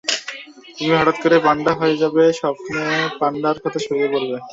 তুমি হঠাৎ করে পান্ডা হয়ে যাবে, সবখানে পান্ডার কথা ছড়িয়ে পড়বে।